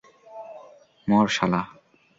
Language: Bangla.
মর, শালা।